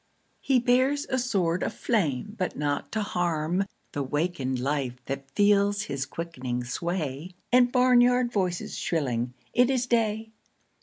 He bears a sword of flame but not to harm The wakened life that feels his quickening sway And barnyard voices shrilling "It is day!"